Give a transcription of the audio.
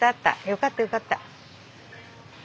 よかったよかった。